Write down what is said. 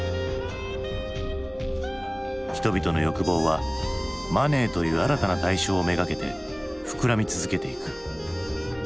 人々の欲望はマネーという新たな対象をめがけて膨らみ続けてゆく。